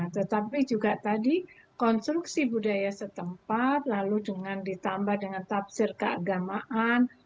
tetapi juga tadi konstruksi budaya setempat lalu dengan ditambah dengan tafsir keagamaan